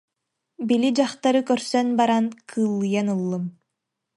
Били дьахтары көрсөн баран кыыллыйан ыллым